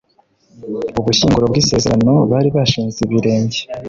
ubushyinguro bw'isezerano bari bashinze ibirenge